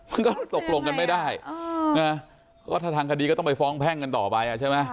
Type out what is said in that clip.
มันก็ตกลงกันไม่ได้ก็ถ้าทางคดีก็ต้องไปฟ้องแพ่งกันต่อไปใช่ไหม